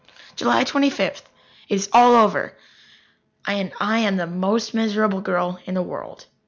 July Twenty fifth. It is all over, and I am the most miserable girl in the world.